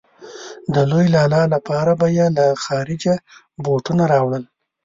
د لوی لالا لپاره به يې له خارجه بوټونه راوړل.